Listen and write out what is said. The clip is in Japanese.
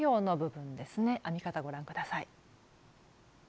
編み方ご覧下さい。